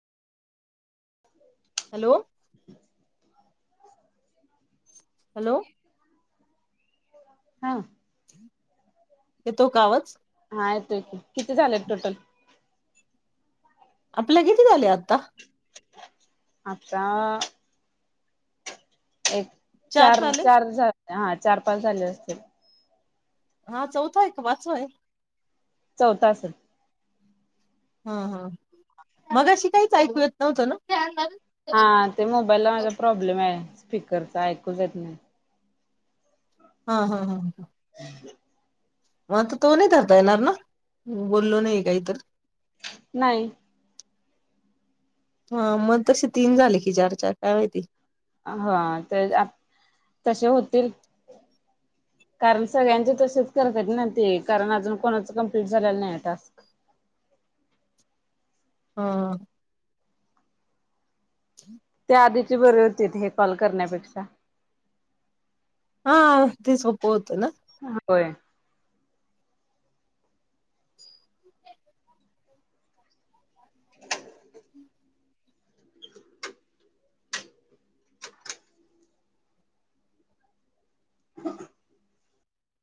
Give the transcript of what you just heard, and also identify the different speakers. Speaker 1: Hello hello
Speaker 2: हा.
Speaker 1: येतो का आवाज?
Speaker 2: हा येतोय किती झालेत टोटल?
Speaker 1: आपले किती झाले आता?
Speaker 2: आता! एक चार चार झा हा चार पाच झाले असतील.
Speaker 1: हा चौथा एक वाचो आहे?
Speaker 2: चौथा असल!
Speaker 1: हा हा मगाशी काहीच ऐकू येत नव्हतं ना?
Speaker 2: हा ते मोबाईलला माझा प्रॉब्लेम आहे. स्पीकरच ऐकूच येत नाही.
Speaker 1: हा हा हा ह.
Speaker 2: [unintelligible]
Speaker 1: मग आता तो नाही धरता येणार ना बोललो नाही काहीतर?
Speaker 2: नाही.
Speaker 1: हा मग तसे तीन झाले की चार चार काय माहिती
Speaker 2: हा तर तसे होतील. कारण सगळ्यांचे तसेच करतात ना ते कारण अजून कोणाच कंप्लीट झालेलं नाही टास्क
Speaker 1: हम. [unintelligible]
Speaker 2: त्या आधीची बरे होती हे कॉल करण्यापेक्षा.
Speaker 1: हा. ते सोपं होत ना.
Speaker 2: होय [unintelligible]